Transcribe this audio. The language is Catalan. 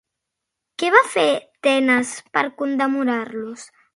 Què va fer Tenes per condemnar-lo?